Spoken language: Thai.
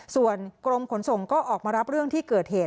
ส่วนกรมขนส่งก็ออกมารับเรื่องที่เกิดเหตุ